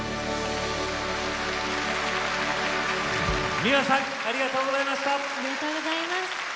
ｍｉｗａさんありがとうございました。